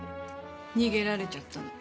逃げられちゃったの。